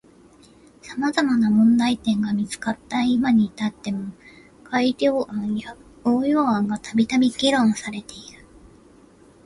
様々な問題点が見つかった今に至っても改良案や応用案がたびたび議論されている。